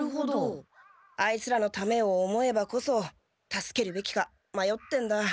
あいつらのためを思えばこそ助けるべきかまよってんだ。